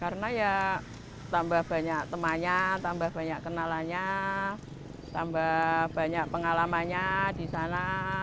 karena ya tambah banyak temannya tambah banyak kenalannya tambah banyak pengalamannya di sana